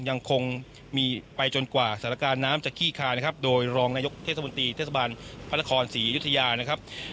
ยังคงมีไปจนกว่าสถานการณ์น้ำจะขี้คานะครับโดยรองนายกเทศมนตรีเทศบาลพระนครศรีอยุธยานะครับ